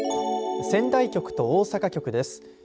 仙台局と大阪局です。